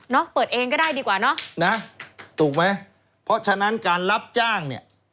เปิดเองก็ได้ดีกว่าเนอะนะถูกไหมเพราะฉะนั้นการรับจ้างเนี่ย